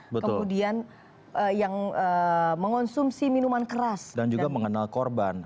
kemudian yang mengonsumsi minuman keras dan juga mengenal korban